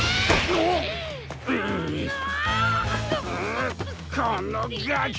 うこのガキ！